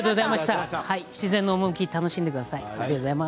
自然の趣楽しんでください。